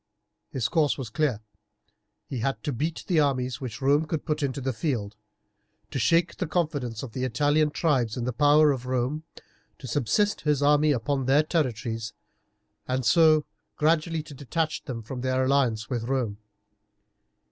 His course was clear. He had to beat the armies which Rome could put into the field; to shake the confidence of the Italian tribes in the power of Rome; to subsist his army upon their territories, and so gradually to detach them from their alliance with Rome.